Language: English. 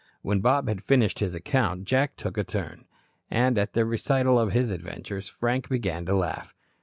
When Bob had finished his account, Jack took a turn. And at the recital of his adventures, Frank began to laugh.